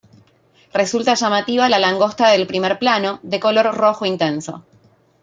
Resulta llamativa la langosta del primer plano, de color rojo intenso.